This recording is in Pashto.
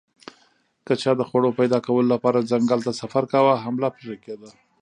که چا د خوړو پیدا کولو لپاره ځنګل ته سفر کاوه حمله پرې کېده